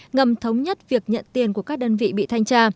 ngầm thống nhất việc nhận tiền của các đơn vị bị thanh tra